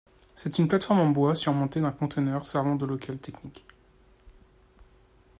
C'est une plateforme en bois surmonté d'un container servant de local technique.